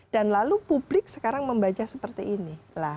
dan lalu publik sekarang membajak seperti ini